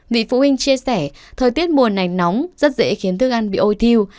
vị phụ huynh chia sẻ thời tiết mùa này nóng rất dễ khiến thức ăn bị ôi thiêu